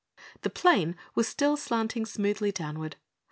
The plane still was slanting smoothly downward.